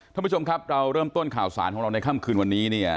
ท่านผู้ชมครับเราเริ่มต้นข่าวสารของเราในค่ำคืนวันนี้เนี่ย